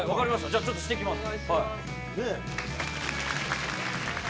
じゃあちょっとしてきます。